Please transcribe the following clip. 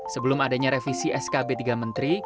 sebelum adanya revisi skb tiga menteri